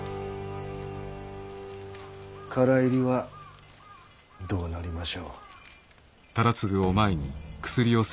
唐入りはどうなりましょう？